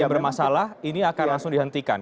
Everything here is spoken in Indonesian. yang bermasalah ini akan langsung dihentikan